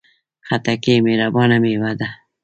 خټکی مهربانه میوه ده.